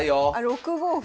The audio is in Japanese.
６五歩。